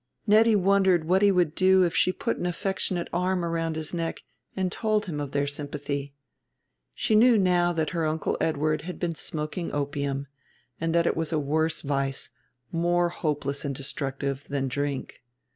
Nettie wondered what he would do if she put an affectionate arm about his neck and told him of their sympathy. She knew now that her Uncle Edward had been smoking opium, and that it was a worse vice, more hopeless and destructive, than drink.